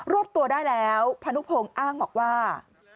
วบตัวได้แล้วพนุพงศ์อ้างบอกว่า